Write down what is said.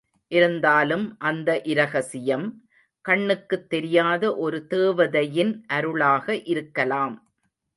இருந்தாலும் அந்த இரகசியம், கண்ணுக்குத் தெரியாத ஒரு தேவதையின் அருளாக இருக்கலாம்.